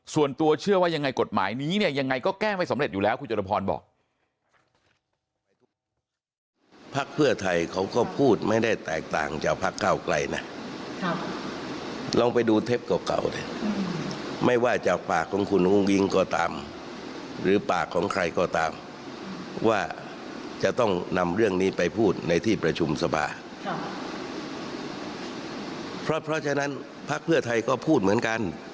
ส่วนตัวเชื่อว่ายังไงกฎหมายนี้เนี่ยยังไงก็แก้ไม่สำเร็จอยู่แล้วคุณจรพรบอก